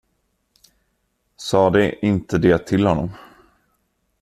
Sa de inte det till honom?